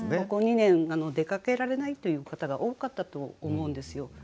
ここ２年出かけられないという方が多かったと思うんですよ。